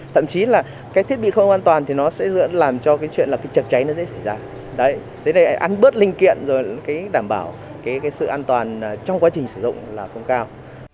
thậm chí là cái thiết bị không an toàn thì nó sẽ dựa làm cho cái chuyện là cái chật cháy nó sẽ xảy ra đấy thế này ăn bớt linh kiện rồi đảm bảo sự an toàn trong quá trình sử dụng là không cao